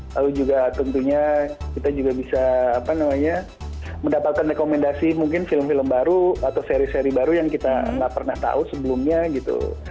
lalu juga tentunya kita juga bisa mendapatkan rekomendasi mungkin film film baru atau seri seri baru yang kita nggak pernah tahu sebelumnya gitu